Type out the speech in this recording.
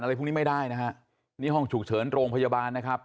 พวกนี้ไม่ได้นะฮะนี่ห้องฉุกเฉินโรงพยาบาลนะครับ